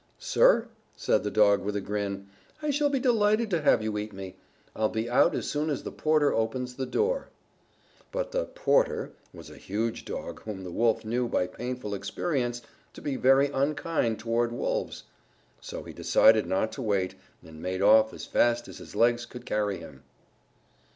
"Sir," said the Dog, with a grin, "I shall be delighted to have you eat me. I'll be out as soon as the porter opens the door." But the "porter" was a huge Dog whom the Wolf knew by painful experience to be very unkind toward wolves. So he decided not to wait and made off as fast as his legs could carry him.